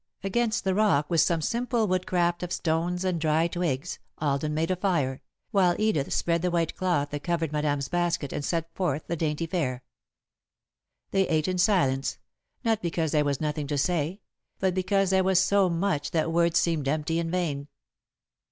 Against the rock, with some simple woodcraft of stones and dry twigs, Alden made a fire, while Edith spread the white cloth that covered Madame's basket and set forth the dainty fare. [Sidenote: At Sunset] They ate in silence, not because there was nothing to say, but because there was so much that words seemed empty and vain.